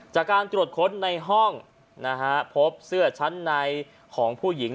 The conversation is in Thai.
จากการตรวจค้นในห้องนะฮะพบเสื้อชั้นในของผู้หญิง